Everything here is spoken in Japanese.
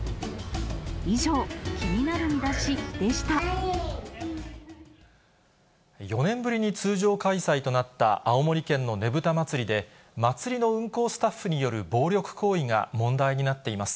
以上、４年ぶりに通常開催となった青森県のねぶた祭で、祭の運行スタッフによる暴力行為が問題になっています。